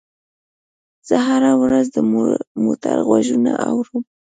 زه هره ورځ د موټر غږونه اورم.